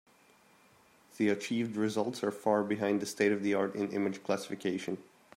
The achieved results are far behind the state-of-the-art in image classification.